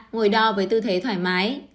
ba ngồi đo với tư thế thoải mái